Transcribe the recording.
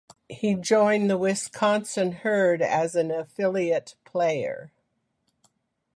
He joined the Wisconsin Herd as an affiliate player.